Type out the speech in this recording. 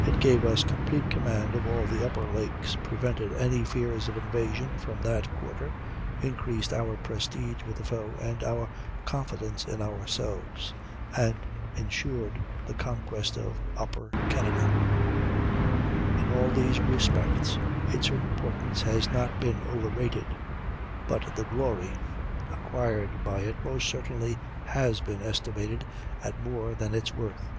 It gave us complete command of all the upper lakes, prevented any fears of invasion from that quarter, increased our prestige with the foe and our confidence in ourselves, and ensured the conquest of upper Canada; in all these respects its importance has not been overrated. But the "glory" acquired by it most certainly has been estimated at more than its worth.